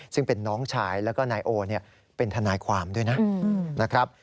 ซึ่งเป็นน้องชายแล้วก็นายโอเป็นทนายความด้วยนะครับ